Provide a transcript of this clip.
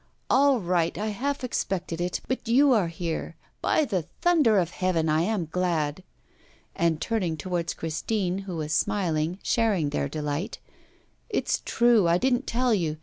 'All right, I half expected it; but you are here. By the thunder of heaven, I am glad!' And, turning towards Christine, who was smiling, sharing their delight: 'It's true, I didn't tell you.